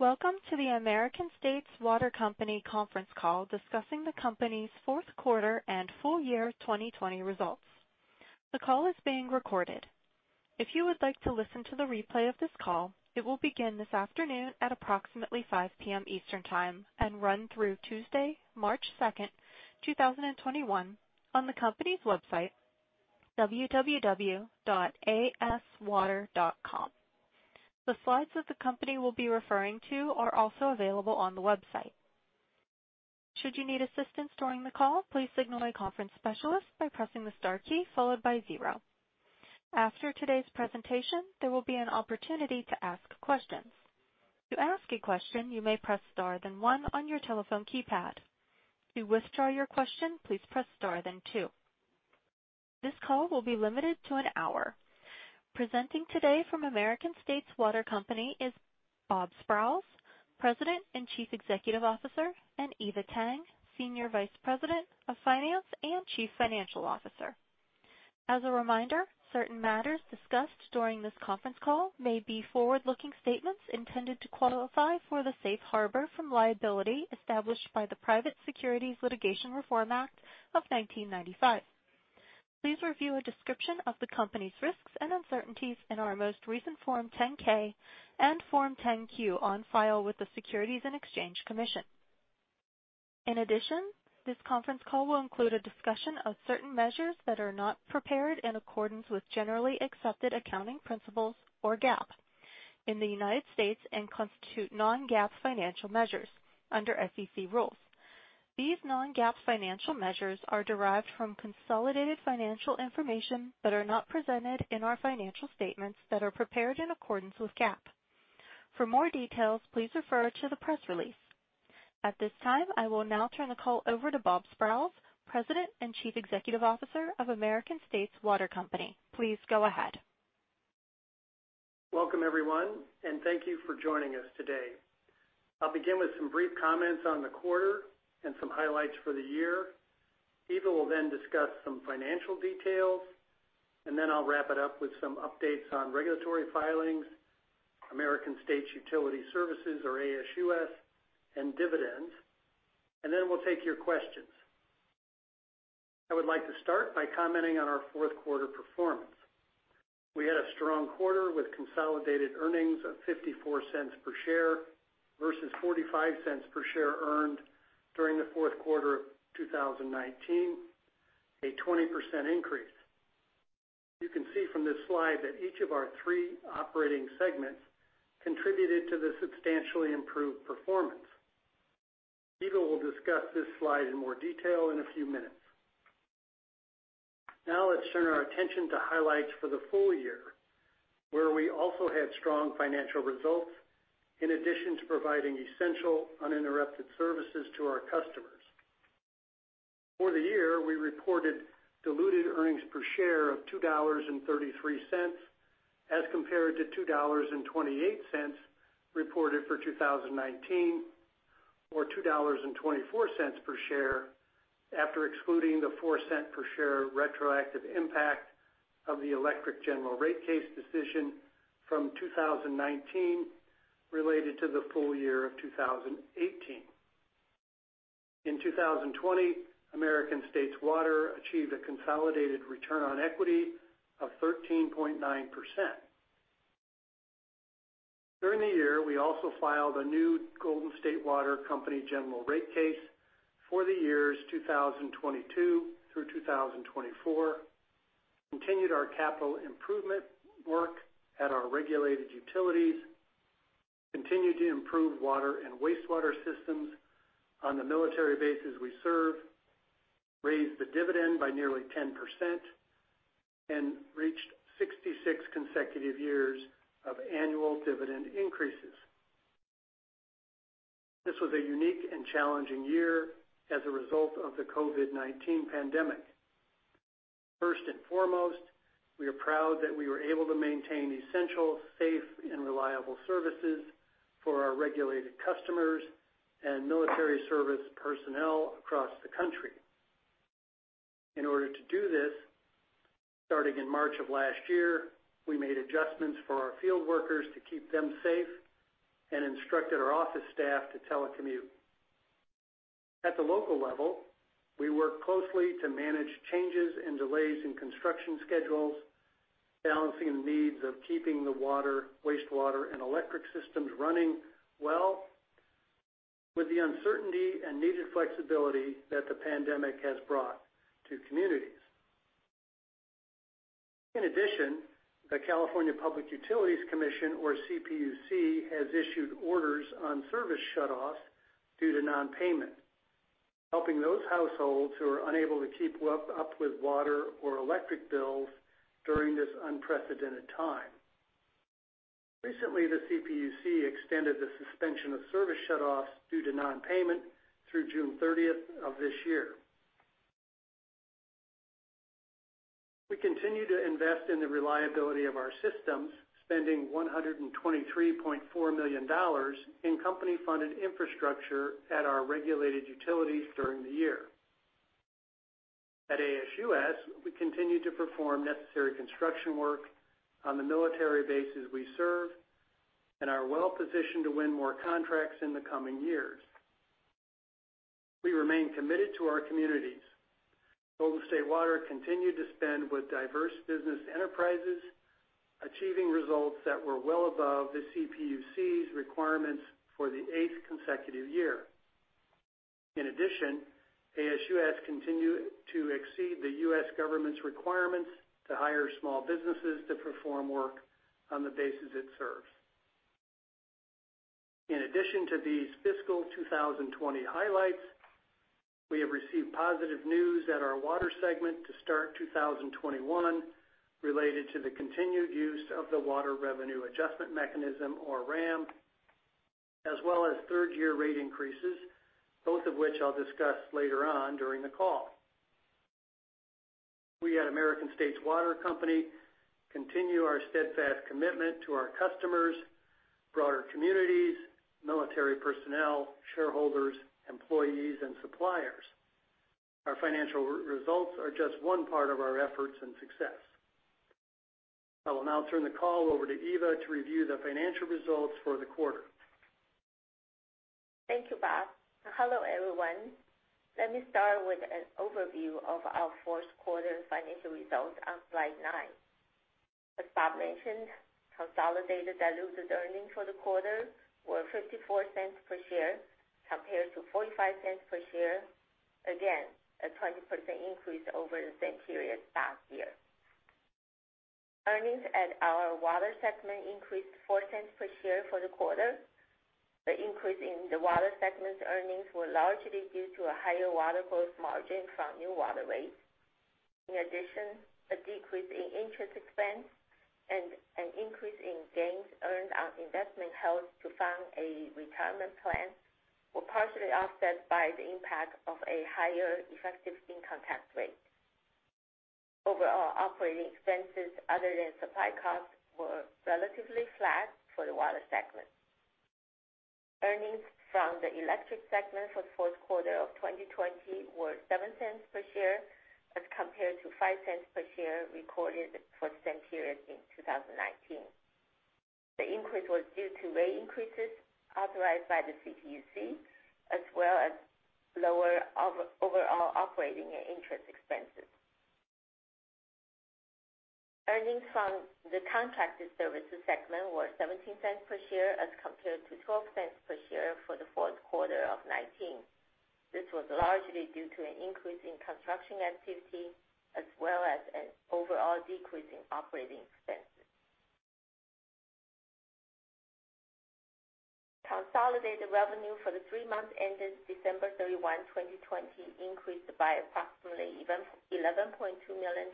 Welcome to the American States Water Company conference call discussing the company's fourth quarter and full year 2020 results. The call is being recorded. If you would like to listen to the replay of this call, it will begin this afternoon at approximately 5:00 P.M. Eastern Time and run through Tuesday, March 2nd, 2021, on the company's website, www.aswater.com. The slides that the company will be referring to are also available on the website. Should you need assistance during the call, please signal a conference specialist by pressing the star key followed by zero. After today's presentation, there will be an opportunity to ask questions. To ask a question, you may press star then one on your telephone keypad. To withdraw your question, please press star then two. This call will be limited to an hour. Presenting today from American States Water Company is Bob Sprowls, President and Chief Executive Officer, and Eva Tang, Senior Vice President of Finance and Chief Financial Officer. As a reminder, certain matters discussed during this conference call may be forward-looking statements intended to qualify for the safe harbor from liability established by the Private Securities Litigation Reform Act of 1995. Please review a description of the company's risks and uncertainties in our most recent Form 10-K and Form 10-Q on file with the Securities and Exchange Commission. In addition, this conference call will include a discussion of certain measures that are not prepared in accordance with generally accepted accounting principles, or GAAP, in the United States and constitute non-GAAP financial measures under SEC rules. These non-GAAP financial measures are derived from consolidated financial information that are not presented in our financial statements that are prepared in accordance with GAAP. For more details, please refer to the press release. At this time, I will now turn the call over to Bob Sprowls, President and Chief Executive Officer of American States Water Company. Please go ahead. Welcome, everyone, and thank you for joining us today. I'll begin with some brief comments on the quarter and some highlights for the year. Eva will then discuss some financial details, and then I'll wrap it up with some updates on regulatory filings, American States Utility Services, or ASUS, and dividends, and then we'll take your questions. I would like to start by commenting on our fourth quarter performance. We had a strong quarter with consolidated earnings of $0.54 per share versus $0.45 per share earned during the fourth quarter of 2019, a 20% increase. You can see from this slide that each of our three operating segments contributed to the substantially improved performance. Eva will discuss this slide in more detail in a few minutes. Now let's turn our attention to highlights for the full year, where we also had strong financial results in addition to providing essential, uninterrupted services to our customers. For the year, we reported diluted earnings per share of $2.33 as compared to $2.28 reported for 2019 or $2.24 per share after excluding the $0.04 per share retroactive impact of the electric general rate case decision from 2019 related to the full year of 2018. In 2020, American States Water achieved a consolidated return on equity of 13.9%. During the year, we also filed a new Golden State Water Company general rate case for the years 2022 through 2024, continued our capital improvement work at our regulated utilities, continued to improve water and wastewater systems on the military bases we serve, raised the dividend by nearly 10%, and reached 66 consecutive years of annual dividend increases. This was a unique and challenging year as a result of the COVID-19 pandemic. First and foremost, we are proud that we were able to maintain essential, safe, and reliable services for our regulated customers and military service personnel across the country. In order to do this, starting in March of last year, we made adjustments for our field workers to keep them safe and instructed our office staff to telecommute. At the local level, we work closely to manage changes and delays in construction schedules, balancing the needs of keeping the water, wastewater, and electric systems running well with the uncertainty and needed flexibility that the pandemic has brought to communities. In addition, the California Public Utilities Commission, or CPUC, has issued orders on service shutoffs due to non-payment, helping those households who are unable to keep up with water or electric bills during this unprecedented time. Recently, the CPUC extended the suspension of service shutoffs due to non-payment through June 30th of this year. We continue to invest in the reliability of our systems, spending $123.4 million in company-funded infrastructure at our regulated utilities during the year. At ASUS, we continue to perform necessary construction work on the military bases we serve and are well-positioned to win more contracts in the coming years. We remain committed to our communities. Golden State Water continued to spend with diverse business enterprises, achieving results that were well above the CPUC's requirements for the eighth consecutive year. In addition, ASUS continued to exceed the U.S. government's requirements to hire small businesses to perform work on the bases it serves. In addition to these fiscal 2020 highlights, we have received positive news at our water segment to start 2021 related to the continued use of the Water Revenue Adjustment Mechanism, or WRAM, as well as third-year rate increases, both of which I'll discuss later on during the call. We at American States Water Company continue our steadfast commitment to our customers, broader communities, military personnel, shareholders, employees, and suppliers. Our financial results are just one part of our efforts and success. I will now turn the call over to Eva to review the financial results for the quarter. Thank you, Bob and hello, everyone. Let me start with an overview of our fourth quarter financial results on slide nine. As Bob mentioned, consolidated diluted earnings for the quarter were $0.54 per share, compared to $0.45 per share. Again, a 20% increase over the same period last year. Earnings at our water segment increased $0.04 per share for the quarter. The increase in the water segment earnings were largely due to a higher water gross margin from new water rates. In addition, a decrease in interest expense and an increase in gains earned on investment held to fund a retirement plan were partially offset by the impact of a higher effective income tax rate. Overall operating expenses other than supply costs were relatively flat for the water segment. Earnings from the electric segment for the fourth quarter of 2020 were $0.07 per share as compared to $0.05 per share recorded for the same period in 2019. The increase was due to rate increases authorized by the CPUC, as well as lower overall operating and interest expenses. Earnings from the Contracted Services Segment were $0.17 per share as compared to $0.12 per share for the fourth quarter of 2019. This was largely due to an increase in construction activity, as well as an overall decrease in operating expenses. Consolidated revenue for the three months ended December 31, 2020, increased by approximately $11.2 million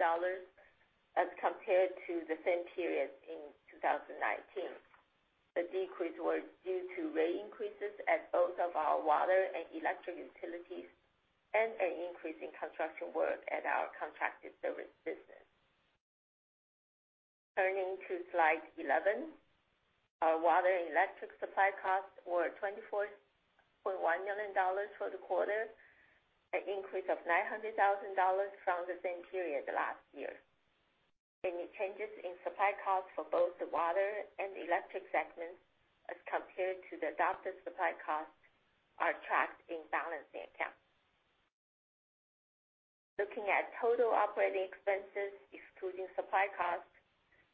as compared to the same period in 2019. The decrease was due to rate increases at both of our water and electric utilities and an increase in construction work at our Contracted Service Business. Turning to slide 11. Our water and electric supply costs were $24.1 million for the quarter, an increase of $900,000 from the same period last year. Any changes in supply costs for both the water and electric segments as compared to the adopted supply costs are tracked in balancing accounts. Looking at total operating expenses, excluding supply costs,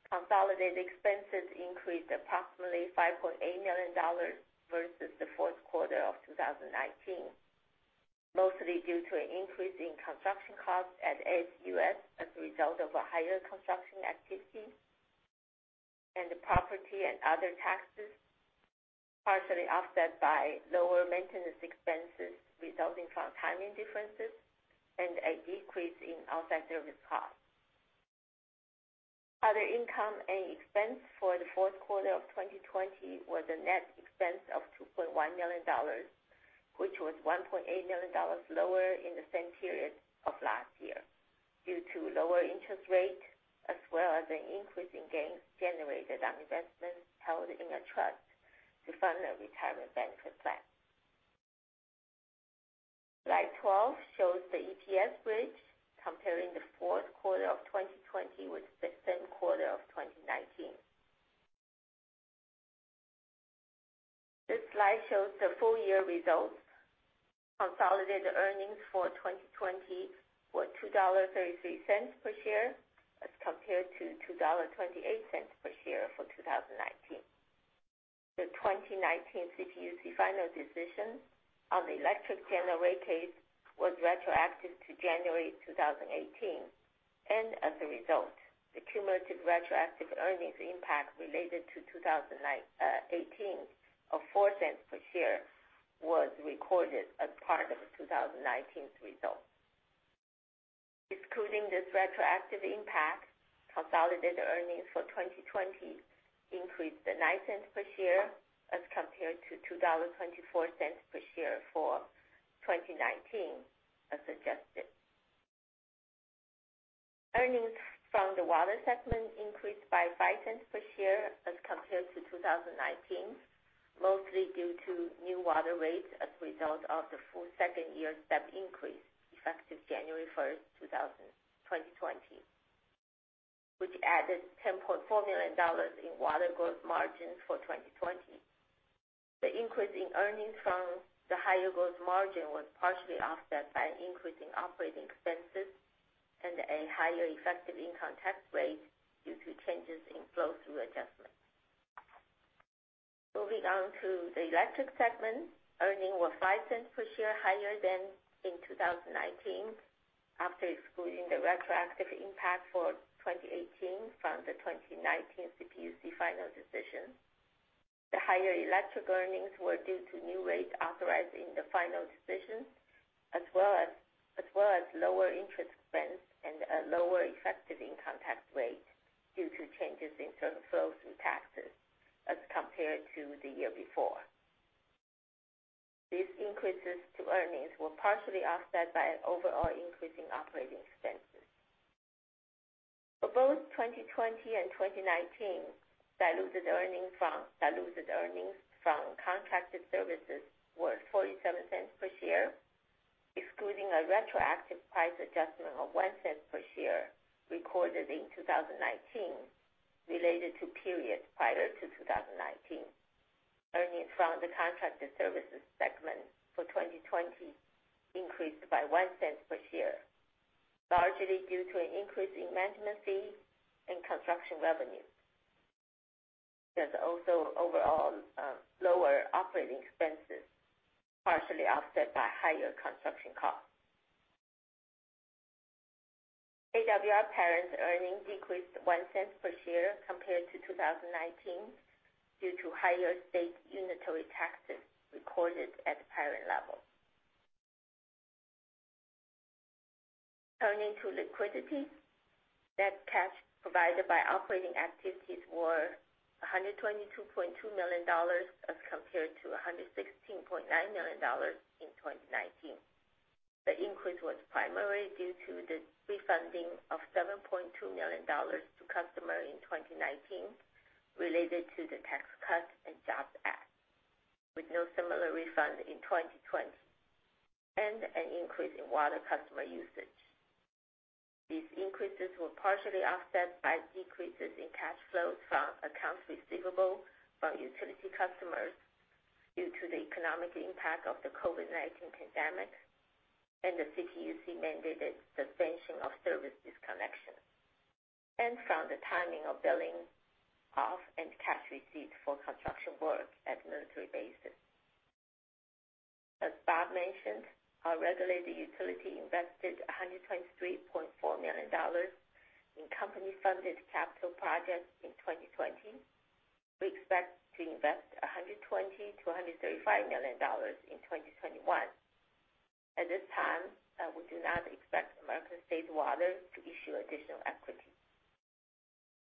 consolidated expenses increased approximately $5.8 million versus the fourth quarter of 2019, mostly due to an increase in construction costs at ASUS as a result of a higher construction activity and property and other taxes, partially offset by lower maintenance expenses resulting from timing differences and a decrease in outside service costs. Other income and expense for the fourth quarter of 2020 was a net expense of $2.1 million, which was $1.8 million lower in the same period of last year, due to lower interest rates, as well as an increase in gains generated on investments held in a trust to fund a retirement benefit plan. Slide 12 shows the EPS bridge comparing the fourth quarter of 2020 with the same quarter of 2019. This slide shows the full-year results. Consolidated earnings for 2020 were $2.33 per share as compared to $2.28 per share for 2019. The 2019 CPUC final decision on the electric general rate case was retroactive to January 2018, and as a result, the cumulative retroactive earnings impact related to 2018 of $0.04 per share was recorded as part of 2019's results. Excluding this retroactive impact, consolidated earnings for 2020 increased by $0.09 per share as compared to $2.24 per share for 2019, as adjusted. Earnings from the water segment increased by $0.05 per share as compared to 2019, mostly due to new water rates as a result of the full second-year step increase effective January 1st, 2020, which added $10.4 million in water gross margin for 2020. The increase in earnings from the higher gross margin was partially offset by an increase in operating expenses and a higher effective income tax rate due to changes in flow-through adjustments. Moving on to the electric segment, earnings were $0.05 per share higher than in 2019 after excluding the retroactive impact for 2018 from the 2019 CPUC final decision. The higher electric earnings were due to new rates authorized in the final decision, as well as lower interest expense and a lower effective income tax rate due to changes in flow-through taxes as compared to the year before. These increases to earnings were partially offset by an overall increase in operating expenses. For both 2020 and 2019, diluted earnings from contracted services were $0.47 per share, excluding a retroactive price adjustment of $0.01 per share recorded in 2019 related to periods prior to 2019. Earnings from the contracted services segment for 2020 increased by $0.01 per share, largely due to an increase in management fees and construction revenue. There is also overall lower operating expenses, partially offset by higher construction costs. AWR parent earnings decreased $0.01 per share compared to 2019 due to higher state unitary taxes recorded at the parent level. Turning to liquidity. Net cash provided by operating activities were $122.2 million as compared to $116.9 million in 2019. The increase was primarily due to the refunding of $7.2 million to customers in 2019 related to the Tax Cuts and Jobs Act, with no similar refund in 2020, and an increase in water customer usage. These increases were partially offset by decreases in cash flows from accounts receivable from utility customers due to the economic impact of the COVID-19 pandemic and the CPUC-mandated suspension of service disconnections, and from the timing of billing off and cash receipts for construction work at military bases. As Bob mentioned, our regulated utility invested $123.4 million in company-funded capital projects in 2020. We expect to invest $120 million-$135 million in 2021. At this time, we do not expect American States Water to issue additional equity.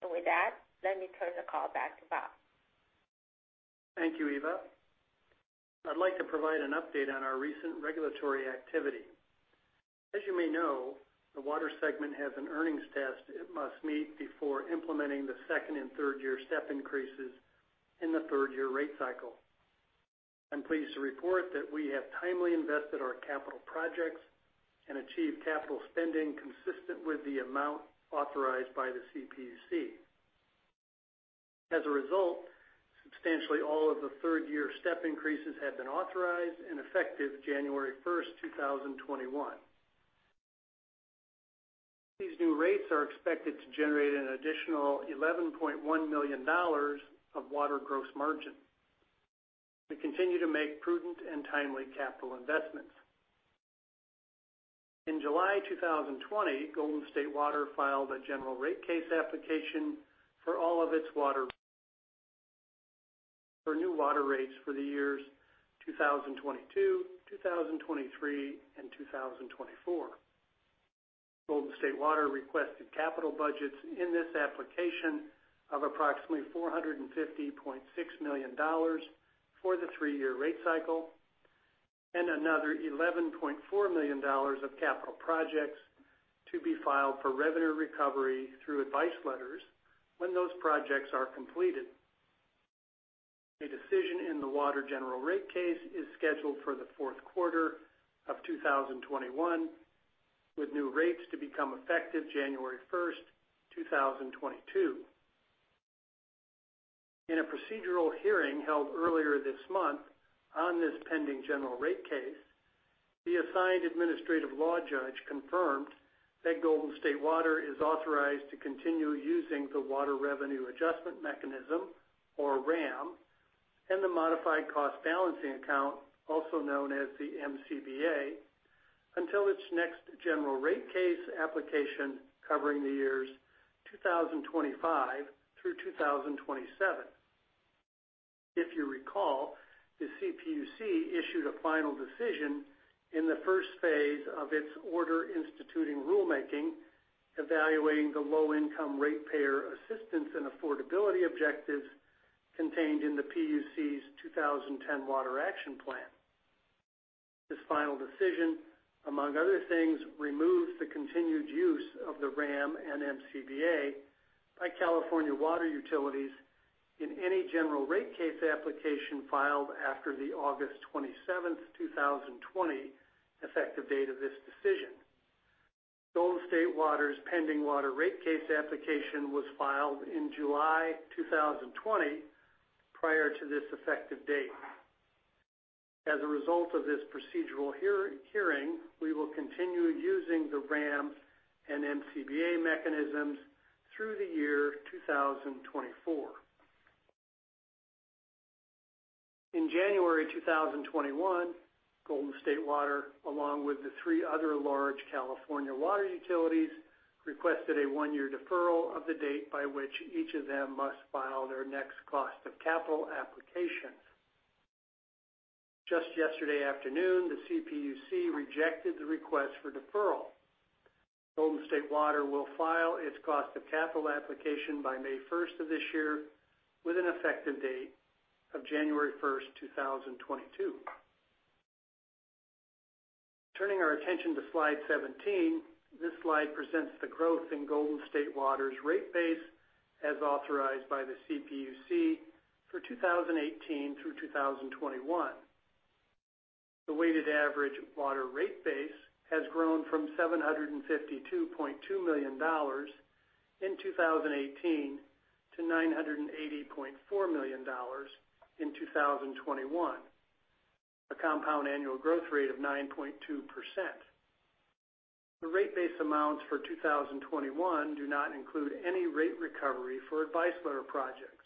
With that, let me turn the call back to Bob. Thank you, Eva. I'd like to provide an update on our recent regulatory activity. As you may know, the water segment has an earnings test it must meet before implementing the second and third-year step increases in the third-year rate cycle. I'm pleased to report that we have timely invested our capital projects and achieved capital spending consistent with the amount authorized by the CPUC. As a result, substantially all of the third-year step increases have been authorized and effective January 1st, 2021. These new rates are expected to generate an additional $11.1 million of water gross margin. We continue to make prudent and timely capital investments. In July 2020, Golden State Water filed a general rate case application for all of its water, for new water rates for the years 2022, 2023, and 2024. Golden State Water requested capital budgets in this application of approximately $450.6 million for the three-year rate cycle, and another $11.4 million of capital projects to be filed for revenue recovery through advice letters when those projects are completed. A decision in the water general rate case is scheduled for the fourth quarter of 2021, with new rates to become effective January 1st, 2022. In a procedural hearing held earlier this month on this pending general rate case, the assigned administrative law judge confirmed that Golden State Water is authorized to continue using the Water Revenue Adjustment Mechanism, or WRAM, and the Modified Cost Balancing Account, also known as the MCBA, until its next general rate case application covering the years 2025 through 2027. If you recall, the CPUC issued a final decision in the first phase of its Order Instituting Rulemaking, evaluating the low-income ratepayer assistance and affordability objectives contained in the PUC's 2010 Water Action Plan. This final decision, among other things, removes the continued use of the WRAM and MCBA by California water utilities in any general rate case application filed after the August 27th, 2020 effective date of this decision. Golden State Water's pending water rate case application was filed in July 2020, prior to this effective date. As a result of this procedural hearing, we will continue using the WRAM and MCBA mechanisms through the year 2024. In January 2021, Golden State Water, along with the three other large California water utilities, requested a one-year deferral of the date by which each of them must file their next cost of capital application. Just yesterday afternoon, the CPUC rejected the request for deferral. Golden State Water will file its cost of capital application by May 1st of this year, with an effective date of January 1st, 2022. Turning our attention to slide 17, this slide presents the growth in Golden State Water's rate base as authorized by the CPUC for 2018 through 2021. The weighted average water rate base has grown from $752.2 million in 2018 to $980.4 million in 2021, a compound annual growth rate of 9.2%. The rate base amounts for 2021 do not include any rate recovery for advice letter projects.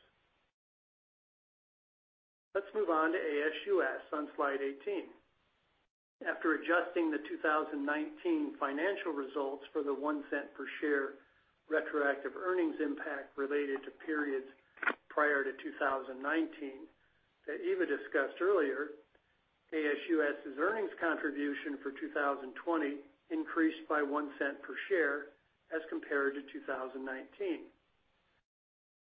Let's move on to ASUS on slide 18. After adjusting the 2019 financial results for the $0.01 per share retroactive earnings impact related to periods prior to 2019, that Eva discussed earlier, ASUS' earnings contribution for 2020 increased by $0.01 per share as compared to 2019.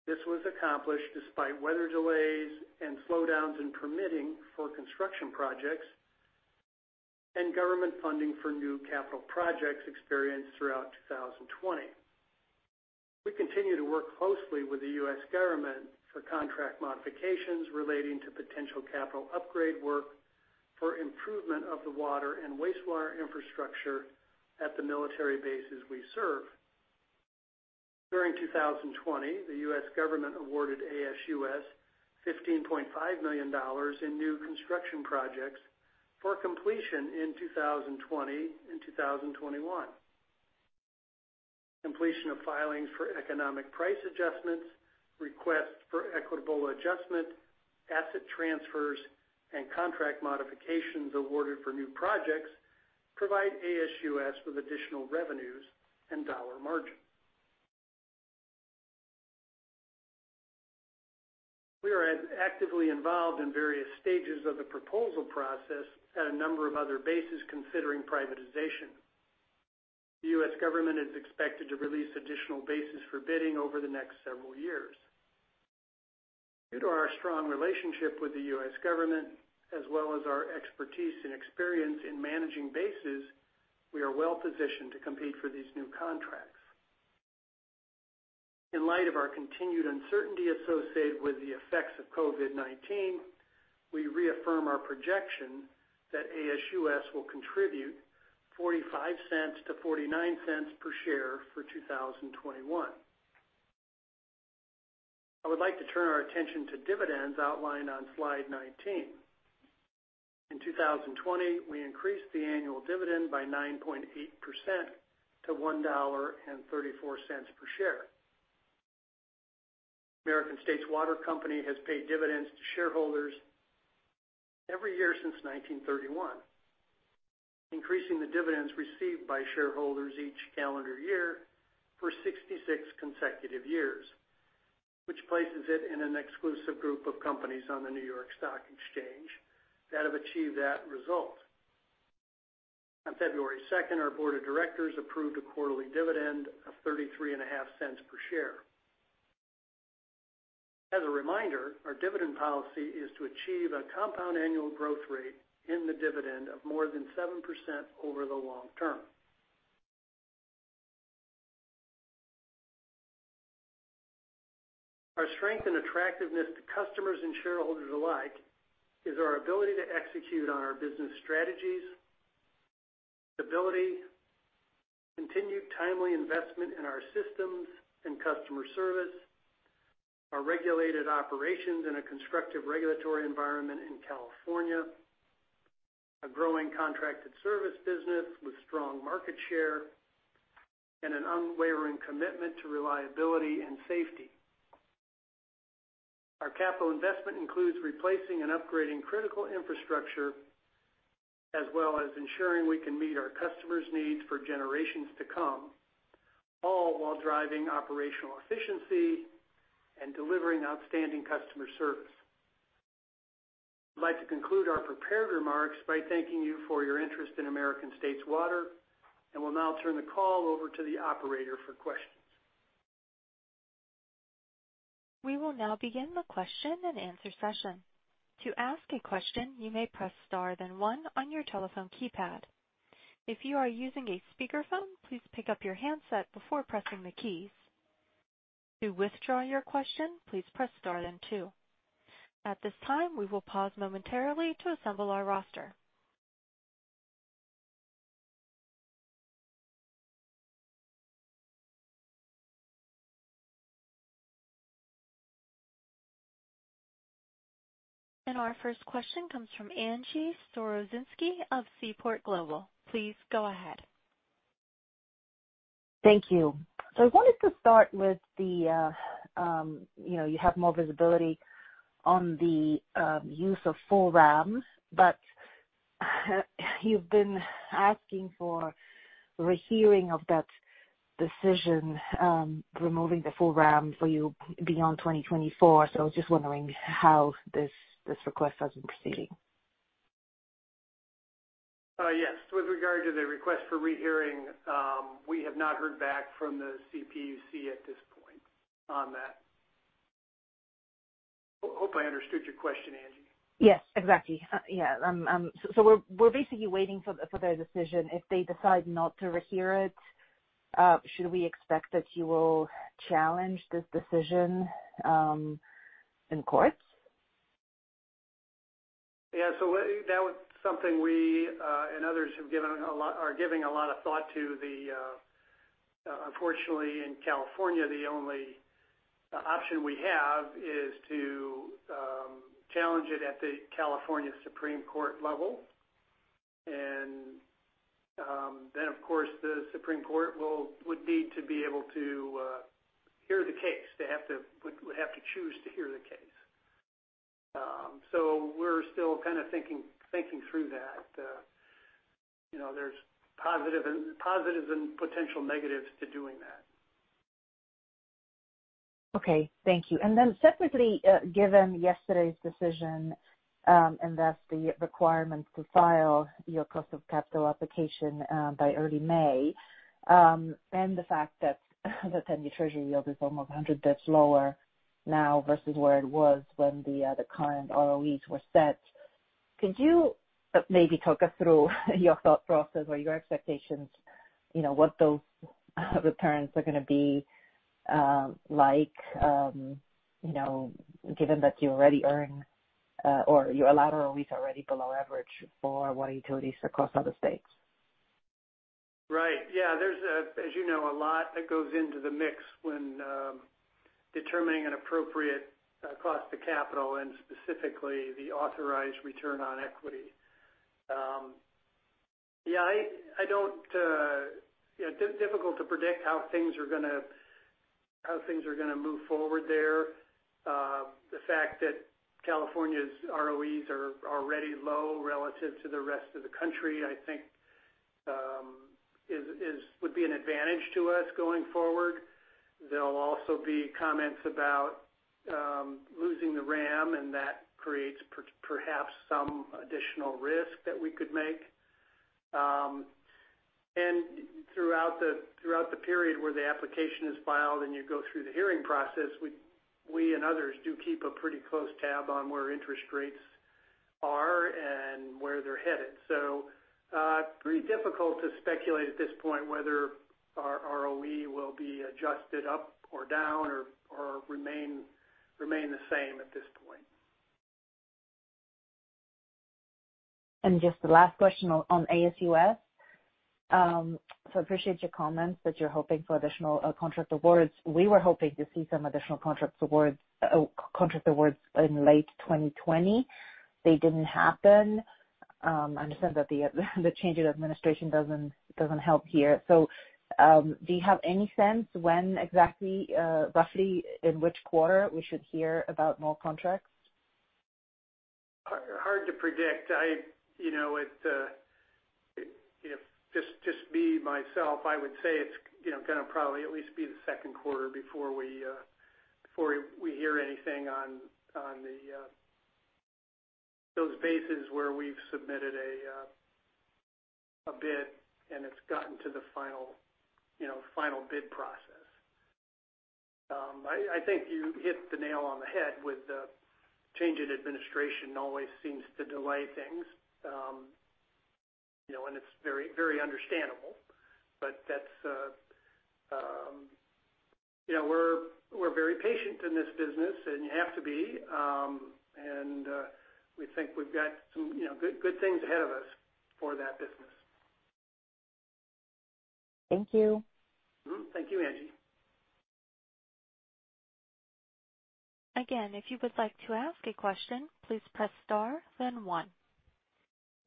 This was accomplished despite weather delays and slowdowns in permitting for construction projects and government funding for new capital projects experienced throughout 2020. We continue to work closely with the U.S. government for contract modifications relating to potential capital upgrade work for improvement of the water and wastewater infrastructure at the military bases we serve. During 2020, the U.S. government awarded ASUS $15.5 million in new construction projects for completion in 2020 and 2021. Completion of filings for economic price adjustments, requests for equitable adjustment, asset transfers, and contract modifications awarded for new projects provide ASUS with additional revenues and dollar margin. We are actively involved in various stages of the proposal process at a number of other bases considering privatization. The U.S. government is expected to release additional bases for bidding over the next several years. Due to our strong relationship with the U.S. government, as well as our expertise and experience in managing bases, we are well-positioned to compete for these new contracts. In light of our continued uncertainty associated with the effects of COVID-19, we reaffirm our projection that ASUS will contribute $0.45-$0.49 per share for 2021. I would like to turn our attention to dividends outlined on slide 19. In 2020, we increased the annual dividend by 9.8% to $1.34 per share. American States Water Company has paid dividends to shareholders every year since 1931, increasing the dividends received by shareholders each calendar year for 66 consecutive years, which places it in an exclusive group of companies on the New York Stock Exchange that have achieved that result. On February 2nd, our board of directors approved a quarterly dividend of $0.335 per share. As a reminder, our dividend policy is to achieve a compound annual growth rate in the dividend of more than 7% over the long term. Our strength and attractiveness to customers and shareholders alike is our ability to execute on our business strategies, stability, continued timely investment in our systems and customer service, our regulated operations in a constructive regulatory environment in California, a growing contracted service business with strong market share, and an unwavering commitment to reliability and safety. Our capital investment includes replacing and upgrading critical infrastructure, as well as ensuring we can meet our customers' needs for generations to come, all while driving operational efficiency and delivering outstanding customer service. I'd like to conclude our prepared remarks by thanking you for your interest in American States Water, and will now turn the call over to the operator for questions. We will now begin the question-and-answer session. To ask a question, you may press star then one on your telephone keypad. If you are using a speakerphone, please pick up your handset before pressing the keys. To withdraw your question, please press star then two. At this time, we will pause momentarily to assemble our roster. And our first question comes from Angie Storozynski of Seaport Global. Please go ahead. Thank you. So I wanted to start with the, you know, you have more visibility on the use of full RAMs, but you've been asking for rehearing of that decision, removing the full RAM for you beyond 2024. Just wondering how this request has been proceeding. Yes. With regard to the request for rehearing, we have not heard back from the CPUC at this point on that. Hope I understood your question, Angie. Yes, exactly. We're basically waiting for their decision. If they decide not to rehear it, should we expect that you will challenge this decision in courts? Yeah, so, that was something we and others are giving a lot of thought to. Unfortunately, in California, the only option we have is to challenge it at the California Supreme Court level. And of course, the Supreme Court would need to be able to hear the case. They have to choose to hear the case. We're still kind of thinking, thinking through that. There's positives and potential negatives to doing that. Okay. Thank you. And then separately, given yesterday's decision, and that's the requirement to file your cost of capital application by early May. The fact that the 10-year treasury yield is almost 100 basis points lower now versus where it was when the current ROEs were set. Could you maybe talk us through your thought process or your expectations, what those returns are going to be like given that you already earn or your allowed ROEs are already below average for water utilities across other states? Right. Yeah. There's, as you know, a lot that goes into the mix when determining an appropriate cost of capital and specifically the authorized return on equity. Yeah, I don't, difficult to predict how things are going to move forward there. The fact that California's ROEs are already low relative to the rest of the country, I think it would be an advantage to us going forward. There'll also be comments about losing the WRAM. And that creates perhaps some additional risk that we could make. And throughout the period where the application is filed and you go through the hearing process, we and others do keep a pretty close tab on where interest rates are and where they're headed. Pretty difficult to speculate at this point whether our ROE will be adjusted up or down or remain the same at this point. Just the last question on ASUS. Appreciate your comments that you're hoping for additional contract awards. We were hoping to see some additional contract awards in late 2020. They didn't happen. I understand that the change in administration doesn't help here. Do you have any sense when exactly, roughly in which quarter we should hear about more contracts? Hard to predict. It's just me, myself, I would say it's going to probably at least be the second quarter before we hear anything on those bases where we've submitted a bid and it's gotten to the final bid process. I think you hit the nail on the head with the change in administration always seems to delay things. It's very understandable, but we're very patient in this business, and you have to be. We think we've got some good things ahead of us for that business. Thank you. Thank you, Angie. Again, if you would like to ask a question, please press star then one.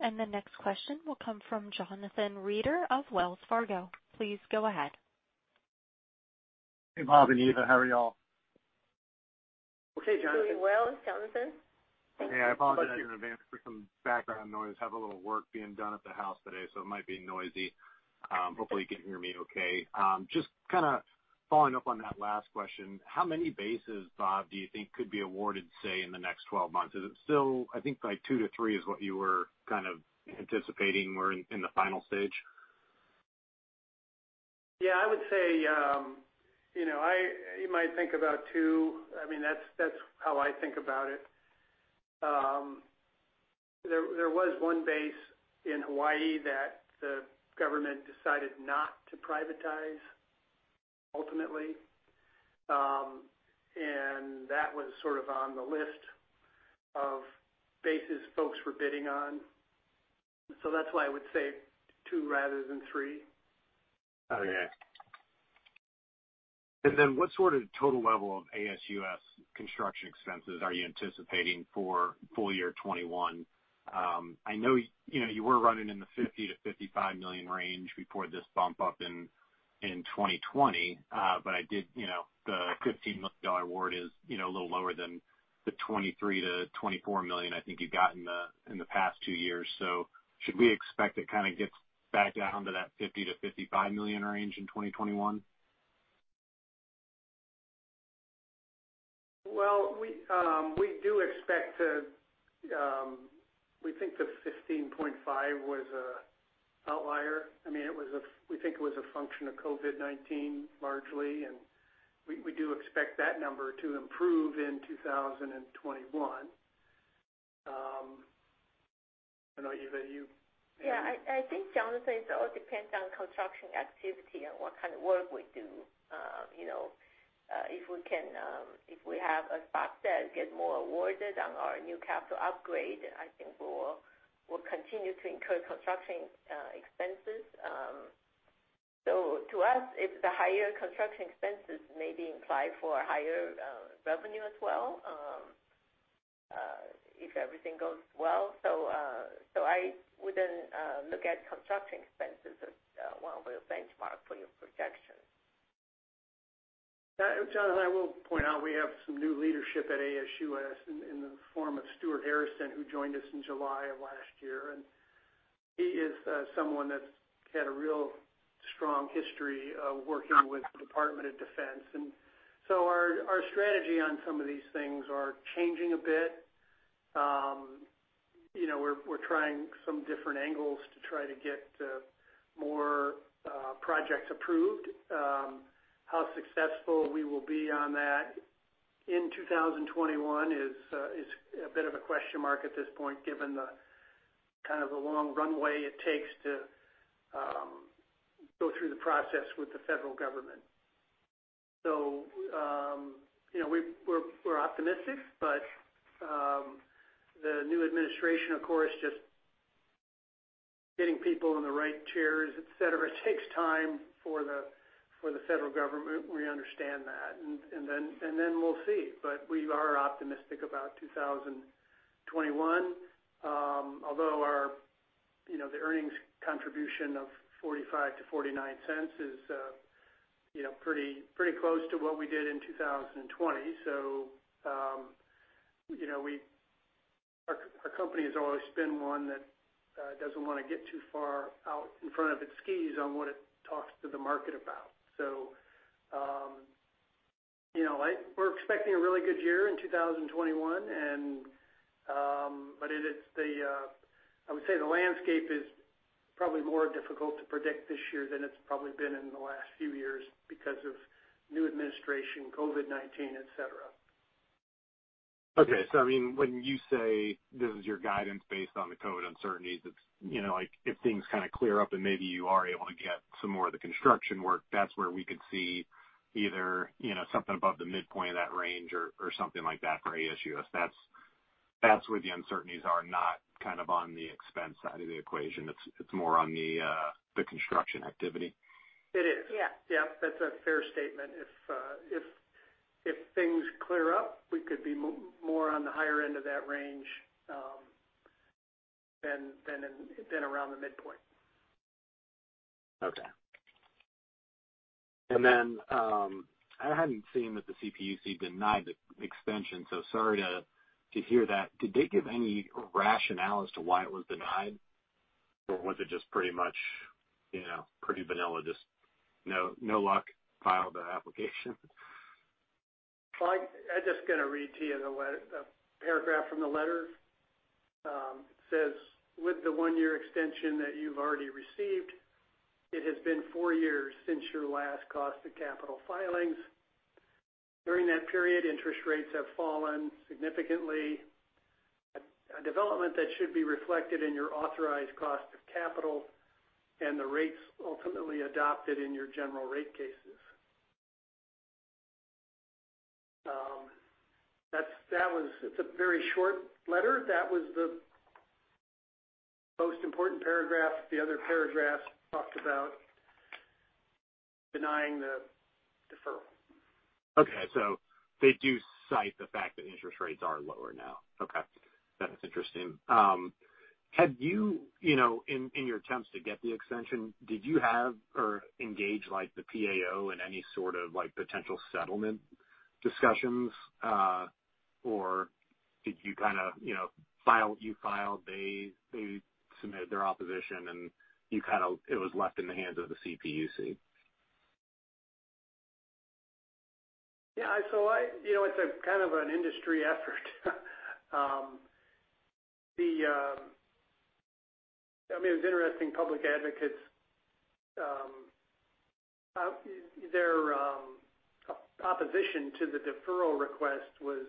The next question will come from Jonathan Reeder of Wells Fargo. Please go ahead. Hey, Bob and Eva, how are you all? We're okay, Jonathan. Doing well, Jonathan. Hey, I apologize in advance for some background noise. Have a little work being done at the house today, so it might be noisy. Hopefully you can hear me okay. Just kind of following up on that last question, how many bases, Bob, do you think could be awarded, say, in the next 12 months? Is it still, I think like two to three is what you were kind of anticipating were in the final stage? Yeah, I would say, you might think about two. That's how I think about it. There was one base in Hawaii that the government decided not to privatize ultimately. And that was sort of on the list of bases folks were bidding on. That's why I would say two rather than three. Okay. And then what sort of total level of ASUS construction expenses are you anticipating for full year 2021? I know you were running in the $50 million-$55 million range before this bump up in 2020. The $15 million award is a little lower than the $23 million-$24 million I think you got in the past two years. Should we expect it kind of gets back down to that $50 million-$55 million range in 2021? Well, we do expect, we think the 15.5 was a outlier. We think it was a function of COVID-19 largely, and we do expect that number to improve in 2021. I know, Eva, you- I think Jonathan, it all depends on construction activity and what kind of work we do. If we have, as Bob said, get more awarded on our new capital upgrade, I think we'll continue to incur construction expenses. To us, if the higher construction expenses may be implied for higher revenue as well, if everything goes well. I wouldn't look at construction expenses as one of the benchmark for your projections. Jonathan, I will point out, we have some new leadership at ASUS in the form of Stuart Harrison, who joined us in July of last year, and he is someone that's had a real strong history of working with the Department of Defense. Our strategy on some of these things are changing a bit. We're trying some different angles to try to get more projects approved. How successful we will be on that in 2021 is a bit of a question mark at this point, given the kind of a long runway it takes to go through the process with the federal government. We're optimistic, but the new administration, of course, just getting people in the right chairs, et cetera, takes time for the federal government. We understand that. We'll see, but we are optimistic about 2021. Although the earnings contribution of $0.45-$0.49 is pretty close to what we did in 2020. We, our company has always been one that doesn't want to get too far out in front of its skis on what it talks to the market about. We're expecting a really good year in 2021. I would say the landscape is probably more difficult to predict this year than it's probably been in the last few years because of new administration, COVID-19, et cetera. Okay. I mean, when you say this is your guidance based on the COVID-19 uncertainties, if things kind of clear up and maybe you are able to get some more of the construction work, that's where we could see either something above the midpoint of that range or something like that for ASUS. That's where the uncertainties are not kind of on the expense side of the equation. It's more on the construction activity. It is. Yeah. Yeah. That's a fair statement. If things clear up, we could be more on the higher end of that range than around the midpoint. Okay. And then, I hadn't seen that the CPUC denied the extension, so sorry to hear that. Did they give any rationale as to why it was denied? Or was it just pretty much, pretty vanilla, just no luck, file the application? I'm just going to read to you a paragraph from the letter. It says, "With the one-year extension that you've already received, it has been four years since your last cost of capital filings. During that period, interest rates have fallen significantly, a development that should be reflected in your authorized cost of capital and the rates ultimately adopted in your general rate cases." That's, that was, it's a very short letter. That was the most important paragraph. The other paragraphs talked about denying the deferral. Okay, they do cite the fact that interest rates are lower now. Okay. That's interesting. Have you, in your attempts to get the extension, did you have or engage the PAO in any sort of potential settlement discussions? Did you kind of file, they submitted their opposition and it was left in the hands of the CPUC? Yeah. It's a kind of an industry effort. The... it was interesting, Public Advocates, their opposition to the deferral request was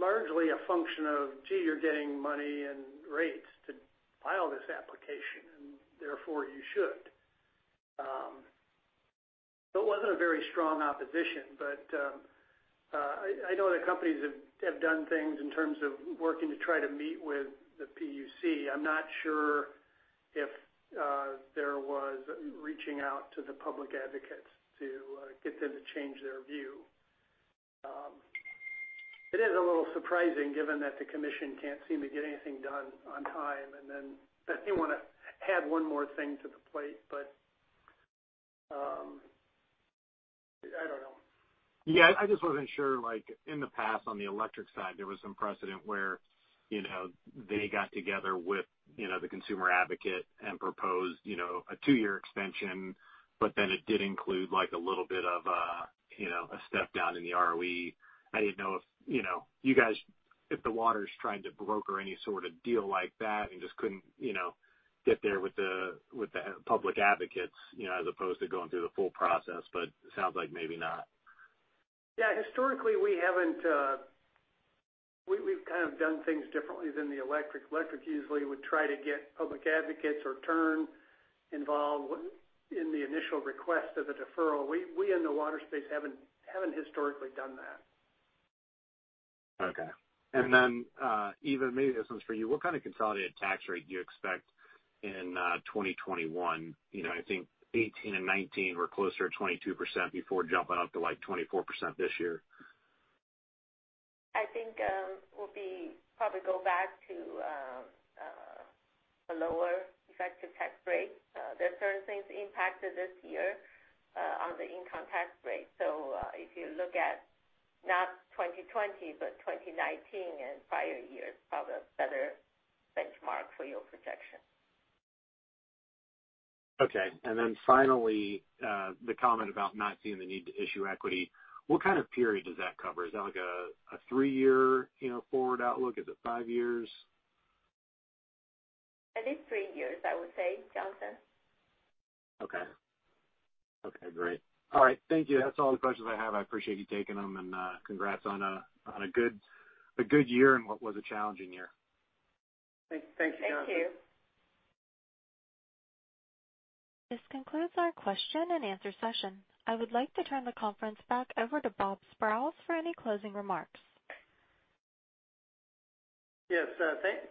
largely a function of, gee, you're getting money and rates to file this application, therefore you should. It wasn't a very strong opposition. I know that companies have done things in terms of working to try to meet with the PUC. I'm not sure if there was reaching out to the Public Advocates to get them to change their view. It is a little surprising given that the Commission can't seem to get anything done on time, then they want to add one more thing to the plate. But... I don't know. Yeah. I just wasn't sure, in the past, on the electric side, there was some precedent where they got together with the consumer advocate and proposed a two-year extension, but then it did include a little bit of a step-down in the ROE. I didn't know if the water's trying to broker any sort of deal like that and just couldn't get there with the Public Advocates as opposed to going through the full process. It sounds like maybe not. Yeah. Historically, we haven't, we've kind of done things differently than the electric. Electric usually would try to get Public Advocates or TURN involved in the initial request of the deferral. We in the water space haven't historically done that. Okay. And then, Eva, maybe this one's for you. What kind of consolidated tax rate do you expect in 2021? I think 2018 and 2019 were closer to 22% before jumping up to like 24% this year. I think we'll probably go back to a lower effective tax rate. There are certain things impacted this year on the income tax rate. If you look at not 2020, but 2019 and prior years, probably a better benchmark for your projection. Okay. And then finally, the comment about not seeing the need to issue equity. What kind of period does that cover? Is that like a three-year forward outlook? Is it five years? At least three years, I would say, Jonathan. Okay. Okay, great. All right. Thank you. That's all the questions I have. I appreciate you taking them, and congrats on a good year in what was a challenging year. Thanks. Thank you, Jonathan. Thank you. This concludes our question-and-answer session. I would like to turn the conference back over to Bob Sprowls for any closing remarks. Yes.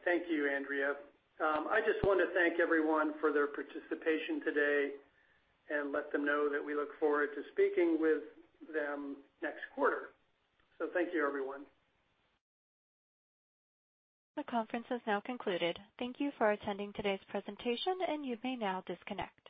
Thank you, Andrea. I just want to thank everyone for their participation today and let them know that we look forward to speaking with them next quarter. Thank you, everyone. The conference is now concluded. Thank you for attending today's presentation, and you may now disconnect.